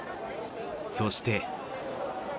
そして。